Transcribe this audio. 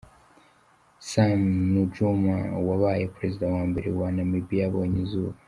Sam Nujoma, wabaye perezida wa mbere wa Namibiya yabonye izuba.